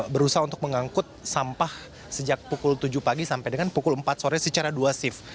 berusaha untuk mengangkut sampah sejak pukul tujuh pagi sampai dengan pukul empat sore secara dua shift